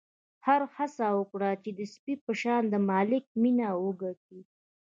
خر هڅه وکړه چې د سپي په شان د مالک مینه وګټي.